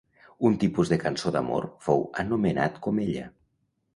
Un tipus de cançó d'amor fou anomenat com ella.